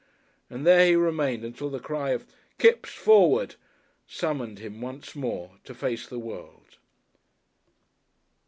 And there he remained until the cry of "Kipps! Forward!" summoned him once more to face the world.